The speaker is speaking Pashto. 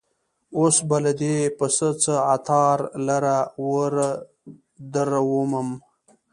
اوس به له دې پسه څه عطار لره وردرومم